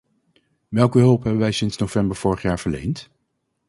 Welke hulp hebben wij sinds november vorig jaar verleend?